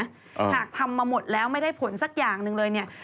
ถ้าทำมาหมดแล้วไม่ได้ผลสักอย่างหนึ่งเลย